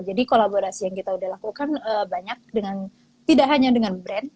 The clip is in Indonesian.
jadi kolaborasi yang kita udah lakukan banyak dengan tidak hanya dengan brand